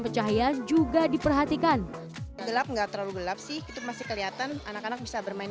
pencahayaan juga diperhatikan gelap nggak terlalu gelap sih itu masih kelihatan anak anak bisa bermain